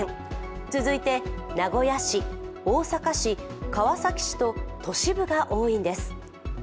続いて名古屋市、大阪市、川崎市と都市部が多いんです。